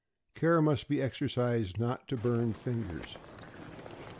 Care must be exercised not to burn fingers.